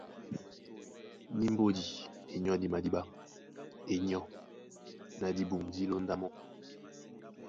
Ní mbódi e nyɔ́di madíɓá, é nyɔ́, na dibum dí lóndá mɔ́.